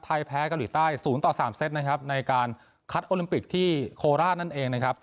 ไทยแพ้เกาหลีใต้๐ต่อ๓เซตนะครับในการคัดโอลิมปิกที่โคราชนั่นเองนะครับ